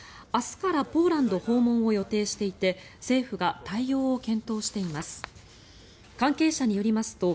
明日からポーランド訪問を予定していて政府が対応を検討しています。